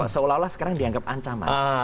seolah olah sekarang dianggap ancaman